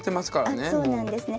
あっそうなんですね。